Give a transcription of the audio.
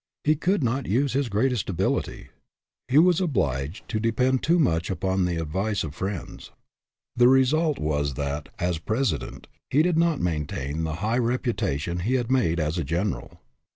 He could not use his greatest ability. He was obliged to depend too much upon the advice of friends. The result was that, as President, he did not maintain the high reputa tion he had made as a general.